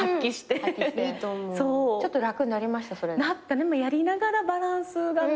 でもやりながらバランスが分かって。